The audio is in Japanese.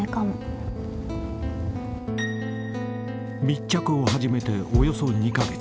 ［密着を始めておよそ２カ月］